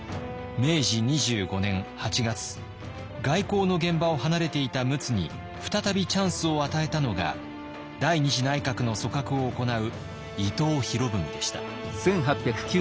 明治２５年８月外交の現場を離れていた陸奥に再びチャンスを与えたのが第二次内閣の組閣を行う伊藤博文でした。